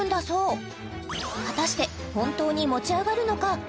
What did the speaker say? そう果たして本当に持ち上がるのか？